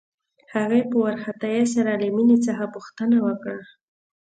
هغې په وارخطايۍ سره له مينې څخه پوښتنه وکړه.